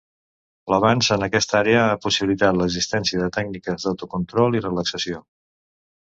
L'avanç en aquesta àrea ha possibilitat l'existència de les tècniques d'autocontrol i relaxació.